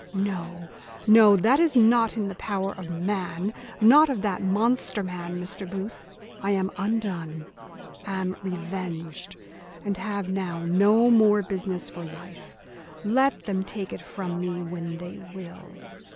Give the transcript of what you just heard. no, no that is not in the power of man not of that monster man, Mr. Booth. I am undone, am revenged, and have now no more business for life; let them take it from me when they will."